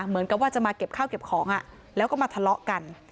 เหมือนกับว่าจะมาเก็บข้าวเก็บของแล้วก็มาทะเลาะกัน